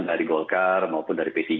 dari golkar maupun dari p tiga